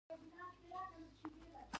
د هغه له سترګو د خوښۍ اوښکې روانې وې